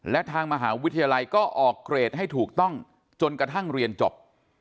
และทางมหาวิทยาลัยก็ออกเกรดให้ถูกต้องจนกระทั่งเรียนจบ